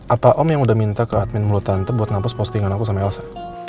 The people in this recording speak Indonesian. apa om yang udah minta ke admin mulut tante buat ngapos postingan aku sama elsa